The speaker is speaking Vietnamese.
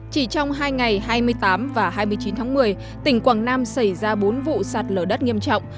chỉ trong hai ngày hai mươi tám và hai mươi chín tháng một mươi tỉnh quảng nam xảy ra bốn vụ sạt lở đất nghiêm trọng